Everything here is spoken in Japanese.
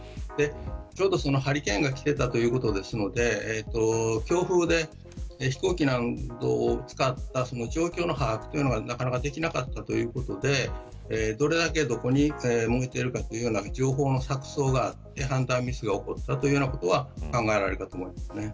ちょうど、そのハリケーンが来ていたということですので強風で飛行機などを使った状況の把握がなかなかできなかったということでどれだけ、どこが燃えているかという情報の錯綜があって判断ミスが起こったということは考えられますね。